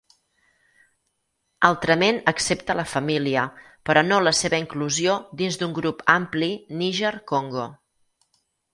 Altrament accepta la família, però no la seva inclusió dins d'un grup ampli Níger-Congo.